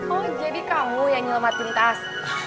oh jadi kamu yang nyelamat pintas